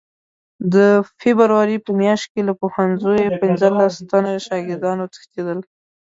د فبروري په میاشت کې له پوهنځیو پنځلس تنه شاګردان وتښتېدل.